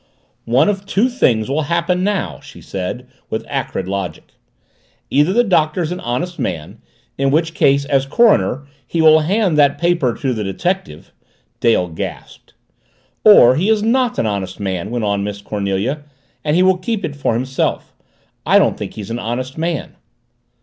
"One of two things will happen now," she said, with acrid, logic. "Either the Doctor's an honest man in which case, as coroner, he will hand that paper to the detective " Dale gasped. "Or he is not an honest man," went on Miss Cornelia, "and he will keep it for himself. I don't think he's an honest man."